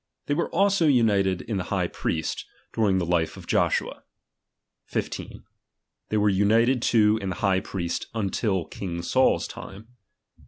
They were also united in the high priest, during the life of Joshua. 15. They were united too in the high priest until king Saul's time.